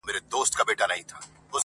هغه کارونه وکړه چې نور ترې تېښته کوي